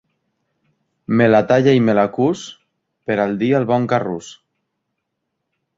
Me la talla i me la cus per al dia el bon Carrús.